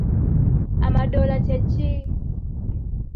Amadola kye ki?